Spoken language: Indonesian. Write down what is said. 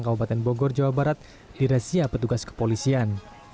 kabupaten bogor jawa barat dirahsia petugas kepolisian